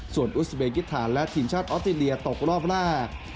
ส่วนอุสเบกิธานและทีมชาติออสเตรเลียตกรอบแรก